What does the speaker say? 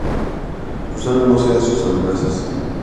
Susana no cede a sus amenazas.